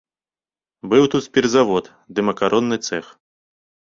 Быў тут спіртзавод ды макаронны цэх.